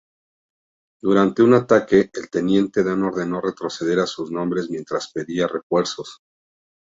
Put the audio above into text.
Durante un ataque, el teniente Dan ordenó retroceder a sus hombres mientras pedía refuerzos.